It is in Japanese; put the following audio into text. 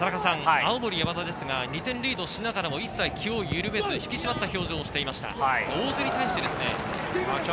青森山田ですが２点リードしながらも一切気を緩めず、引き締まった表情をしていました、大津に対して。